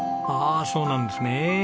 ああそうなんですねえ。